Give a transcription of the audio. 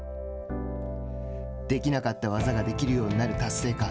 できなかった技ができるようになる達成感。